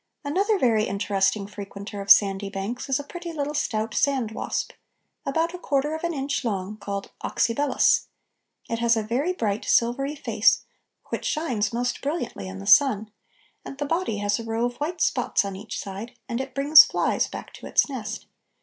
Another very interesting frequenter of sandy banks is a pretty little stout sandwasp, about a quarter of an inch long, called Oxybelus. It has a very bright silvery face which shines most brilliantly in the sun, and the body has a row of white spots on each side, and it brings flies back to its nest.